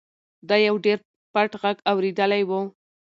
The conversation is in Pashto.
ده یو ډېر پټ غږ اورېدلی و.